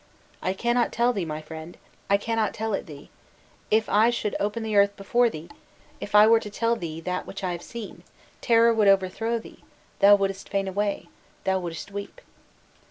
'I cannot tell it thee, my friend, I cannot tell it thee; if I should open the earth before thee, if I were to tell to thee that which I have seen, terror would overthrow thee, thou wouldest faint away, thou wouldest weep.